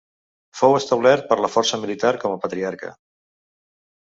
Fou establert per la força militar com a patriarca.